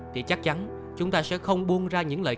thì chắc chắn chúng ta sẽ không buông ra những lời khuyên